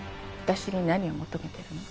私に何を求めてるの？